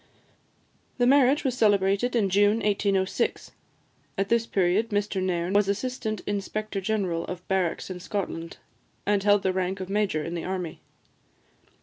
The marriage was celebrated in June 1806. At this period, Mr Nairn was Assistant Inspector General of Barracks in Scotland, and held the rank of major in the army.